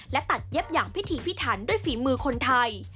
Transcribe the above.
และตัดเย็บอย่างพิธีพิถันด้วยฝีมือคนไทย